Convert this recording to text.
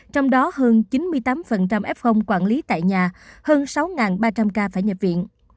trong đó hơn chín mươi tám f quản lý tại nhà hơn sáu ba trăm linh ca phải nhập viện